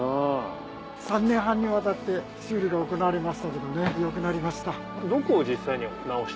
３年半にわたって修理が行われましたけどね良くなりました。